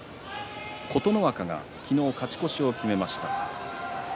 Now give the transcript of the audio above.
琴ノ若は昨日、勝ち越しを決めました。